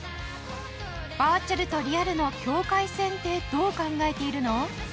バーチャルとリアルの境界線ってどう考えているの？